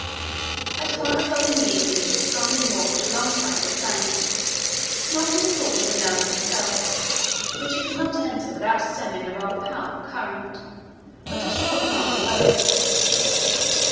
At five o'clock in the evening it was strongly moored alongside this bank, not in the port of Manaos itself, which it could not enter without stemming a rather powerful current, but a short mile below it.